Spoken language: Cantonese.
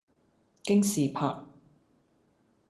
京士柏